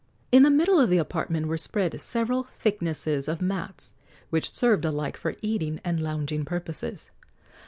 In the middle of the apartment were spread several thicknesses of mats, which served alike for eating and lounging purposes.